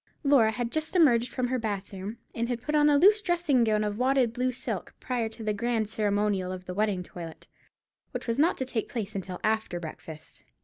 Laura had just emerged from her bath room, and had put on a loose dressing gown of wadded blue silk, prior to the grand ceremonial of the wedding toilet, which was not to take place until after breakfast.